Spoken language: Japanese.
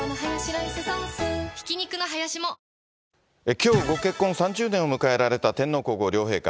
きょう、ご結婚３０年を迎えられた天皇皇后両陛下。